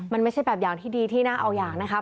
มันไม่ใช่แบบอย่างที่ดีที่น่าเอาอย่างนะครับ